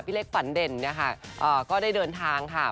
เล็กฝันเด่นนะคะก็ได้เดินทางค่ะ